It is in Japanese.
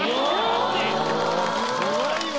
すごいわ。